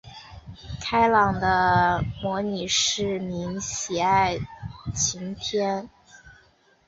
开朗的模拟市民最喜爱天晴的天气。